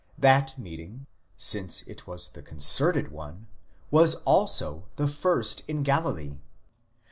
® that meeting, since it was the concerted one, was also the first in Galilee.